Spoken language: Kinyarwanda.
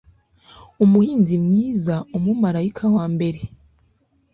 Umuhinzi mwiza umumarayika wa mbere